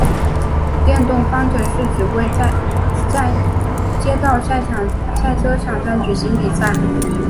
电动方程式只会在街道赛车场上举行比赛。